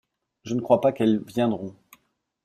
Je ne crois pas qu'elles viendront.